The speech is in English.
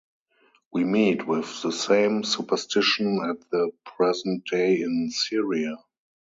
We meet with the same superstition at the present day in Syria.